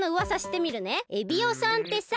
エビオさんってさ